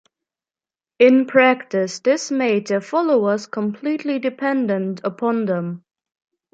In practice, this made their followers completely dependent upon them.